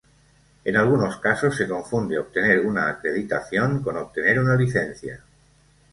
En algunos casos se confunde obtener una acreditación con obtener una licencia.